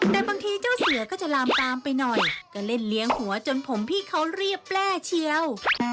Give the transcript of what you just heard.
แต่บางทีเจ้าเสือก็จะลามตามไปหน่อยก็เล่นเลี้ยงหัวจนผมพี่เขาเรียบแร่เชียว